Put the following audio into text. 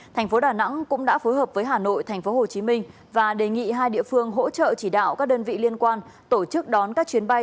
tp hồ chí minh và đề nghị hai địa phương hỗ trợ chỉ đạo các đơn vị liên quan tổ chức đón các chuyến bay